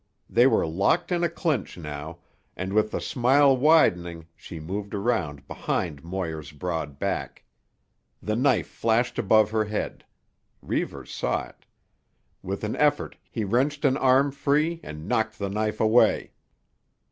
They were locked in a clinch now, and with the smile widening she moved around behind Moir's broad back. The knife flashed above her head. Reivers saw it. With an effort he wrenched an arm free and knocked the knife away.